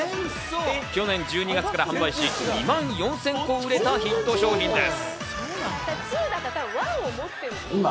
去年１２月から販売し、２万４０００個売れたヒット商品です。